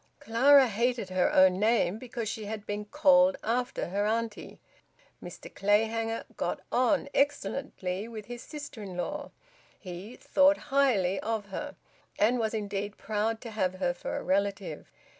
Clara hated her own name because she had been `called after' her auntie. Mr Clayhanger `got on' excellently with his sister in law. He `thought highly' of her, and was indeed proud to have her for a relative.